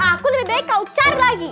aku lebih baik kau cari lagi